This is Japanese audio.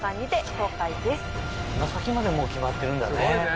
そんな先までもう決まってるんだね。